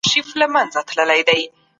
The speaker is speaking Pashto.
تاريخ خلګو ته ملي هويت ورکوي.